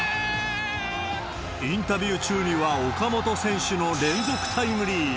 インタビュー中には、岡本選手の連続タイムリー。